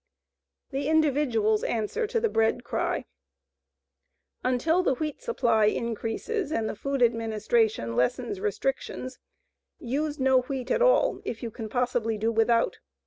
THE INDIVIDUAL'S ANSWER TO THE BREAD CRY UNTIL THE WHEAT SUPPLY INCREASES AND THE FOOD ADMINISTRATION LESSENS RESTRICTIONS, USE NO WHEAT AT ALL IF YOU CAN POSSIBLY DO WITHOUT.